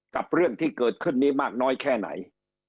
กับเรื่องที่เกิดขึ้นนี้มากน้อยแค่ไหน